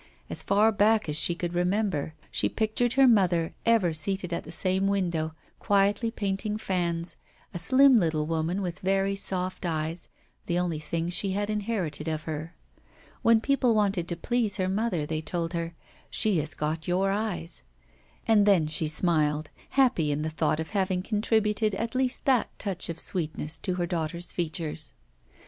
As far back as she could remember, she pictured her mother ever seated at the same window, quietly painting fans, a slim little woman with very soft eyes, the only thing she had inherited of her. When people wanted to please her mother they told her, 'she has got your eyes.' And then she smiled, happy in the thought of having contributed at least that touch of sweetness to her daughter's features.